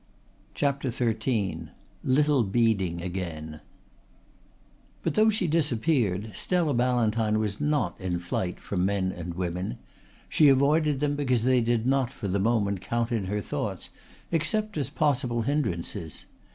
CHAPTER XIII LITTLE BEEDING AGAIN But though she disappeared Stella Ballantyne was not in flight from men and women. She avoided them because they did not for the moment count in her thoughts, except as possible hindrances.